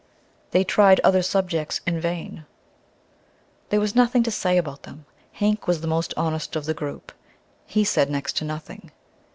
They tried other subjects in vain; there was nothing to say about them. Hank was the most honest of the group; he said next to nothing.